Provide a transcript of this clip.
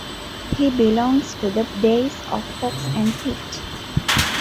He belongs to the days of Fox and Pitt.